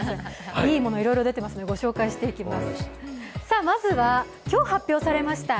いいもの、いろいろ出ていますのでご紹介していきます。